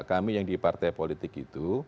kami yang di partai politik itu